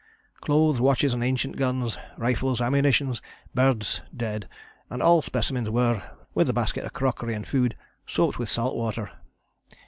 "Clothes, watches and ancient guns, rifles, ammunition, birds (dead) and all specimens were, with the basket of crockery and food, soaked with salt water.